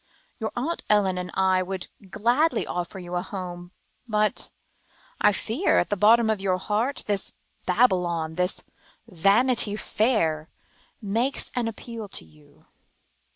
"Your Aunt Ellen and I would gladly offer you a home, but I fear that, at the bottom of your heart, this Babylon, this Vanity Fair, makes an appeal to you."